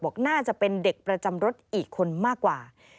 น่าจะเป็นเด็กประจำรถอีกคนมากกว่า